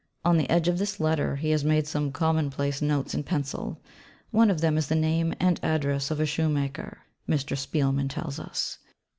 'On the edge of this letter he has made some commonplace notes in pencil; one of them is the name and address of a shoemaker,' Mr. Spielmann tells us.